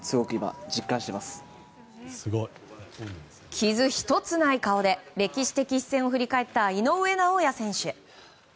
傷１つない顔で歴史的一戦を振り返った井上尚弥選手。